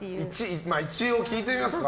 一応、聞いてみますか。